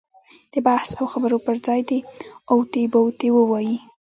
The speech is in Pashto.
د بحث او خبرو پر ځای دې اوتې بوتې ووایي.